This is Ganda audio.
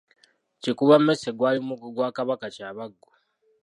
Kikuba mmese gwali muggo gwa Kabaka Kyabaggu.